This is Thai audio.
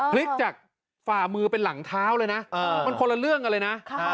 พลิกจากฝ่ามือเป็นหลังเท้าเลยนะมันคนละเรื่องกันเลยนะ